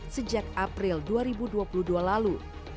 sejak april dua ribu dua puluh dua lalu